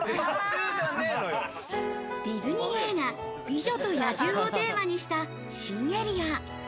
ディズニー映画『美女と野獣』をテーマにした新エリア。